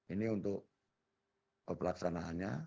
ini untuk pelaksanaannya